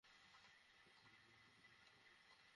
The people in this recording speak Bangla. তোমার কোনও কৌশলই কাজে আসবে না কারণ আমি কিছুই করিনি!